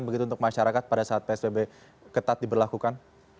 begitu untuk masyarakat pada saat psbb ketat diberlakukan